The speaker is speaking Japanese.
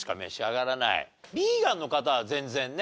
ビーガンの方は全然ね。